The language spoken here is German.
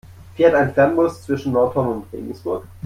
Fährt ein Fernbus zwischen Nordhorn und Regensburg?